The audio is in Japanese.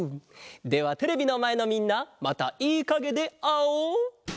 ではテレビのまえのみんなまたいいかげであおう！